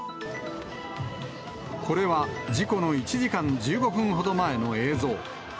これは、事故の１時間１５分ほど前の映像。